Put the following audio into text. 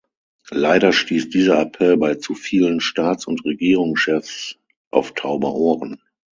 Leider stieß dieser Appell bei zu vielen Staats- und Regierungschefs auf taube Ohren.